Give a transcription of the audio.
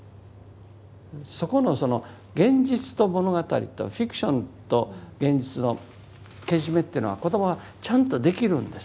そこのその現実と物語とフィクションと現実のけじめというのは子どもはちゃんとできるんです。